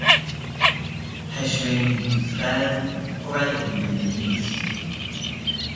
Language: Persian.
پشم این گوسفندپر از گوریدگی است.